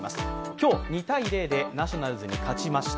今日、２−０でナショナルズに勝ちました。